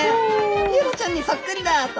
ピエロちゃんにそっくりだと。